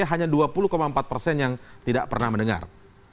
hanya dua puluh empat persen yang tidak pernah mendengar